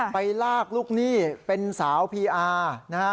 ไปลากลูกหนี้เป็นสาวพีอาร์นะฮะ